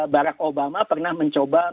barack obama pernah mencoba